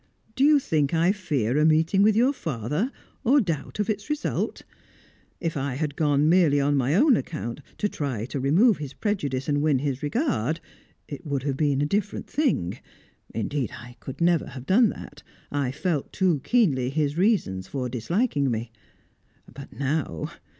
"Do you think I fear a meeting with your father, or doubt of its result? If I had gone merely on my own account, to try to remove his prejudice and win his regard, it would have been a different thing; indeed, I could never have done that; I felt too keenly his reasons for disliking me. But now!